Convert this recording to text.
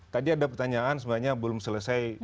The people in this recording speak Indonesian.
tadi ada pertanyaan sebenarnya belum selesai